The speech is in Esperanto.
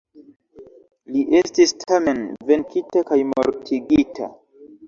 Li estis tamen venkita kaj mortigita.